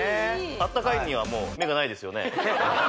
あったかいにはもう目がないですよね